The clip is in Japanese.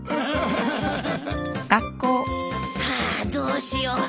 ハァどうしよう